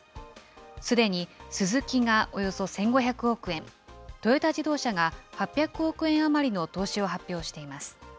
すでにスズキがおよそ１５００億円、トヨタ自動車が８００億円余りの投資を発表しています。